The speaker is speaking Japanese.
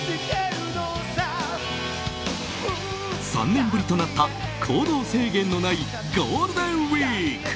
３年ぶりとなった行動制限のないゴールデンウィーク。